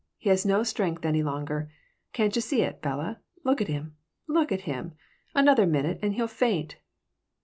He has no strength any longer. Can't you see it, Bella? Look at him! Look at him! Another minute and he'll faint."